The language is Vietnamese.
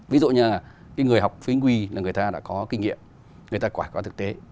ví dụ như là cái người học phi chính quy là người ta đã có kinh nghiệm người ta quả qua thực tế